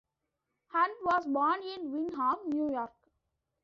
Hunt was born in Windham, New York.